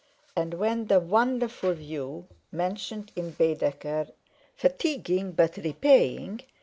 And when the wonderful view (mentioned in Baedeker—"fatiguing but repaying".